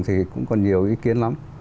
thì cũng còn nhiều ý kiến lắm